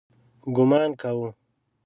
ګومان کاوه.